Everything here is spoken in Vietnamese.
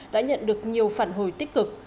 đã nhận được nhiều phản hồi tích cực